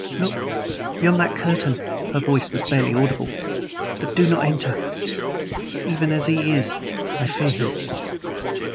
"Look beyond that curtain" her voice was barely audible "but do not enter. Even as he is, I fear him."